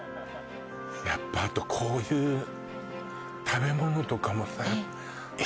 やっぱあとこういう食べ物とかもさええ